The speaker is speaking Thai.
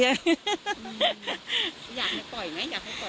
แต่ตอนนี้เราก็คิดเลยว่าต้องผี